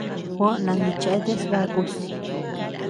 Juó nandicheateas bakus.